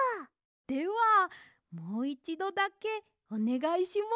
ではもういちどだけおねがいします！